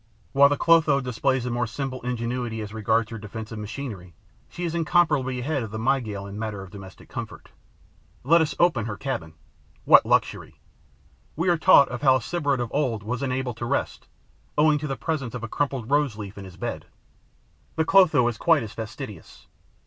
While the Clotho displays a more simple ingenuity as regards her defensive machinery, she is incomparably ahead of the Mygale in the matter of domestic comfort. Let us open her cabin. What luxury! We are taught how a Sybarite of old was unable to rest, owing to the presence of a crumpled rose leaf in his bed. The Clotho is quite as fastidious.